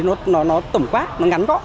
nó tẩm quát nó ngắn gót